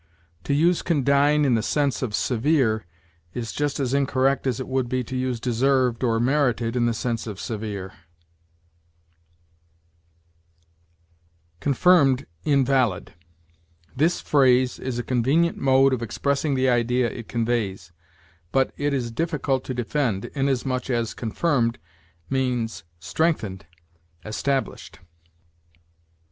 To use condign in the sense of severe is just as incorrect as it would be to use deserved or merited in the sense of severe. CONFIRMED INVALID. This phrase is a convenient mode of expressing the idea it conveys, but it is difficult to defend, inasmuch as confirmed means strengthened, established.